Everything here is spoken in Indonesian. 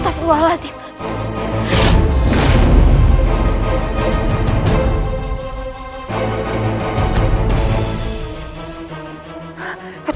kamu tidak apa apa